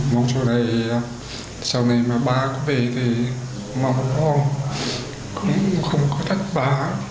mong sau này sau này mà ba có về thì mong con cũng không có thách bà